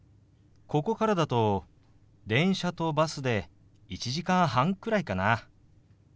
ここからだと電車とバスで１時間半くらいかな。